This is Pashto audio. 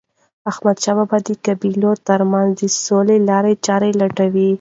احمد شاه بابا د قبایلو ترمنځ د سولې لارې چاري لټولي.